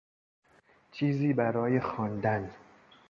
چیزی برای خواندن